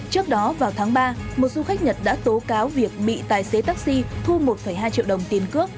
trước đó vào tháng ba một du khách nhật đã tố cáo việc bị tài xế taxi thu một hai triệu đồng tiền cước